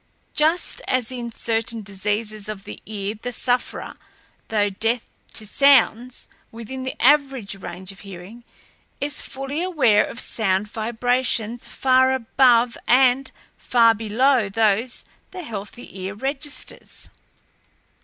Just as in certain diseases of the ear the sufferer, though deaf to sounds within the average range of hearing, is fully aware of sound vibrations far above and far below those the healthy ear registers."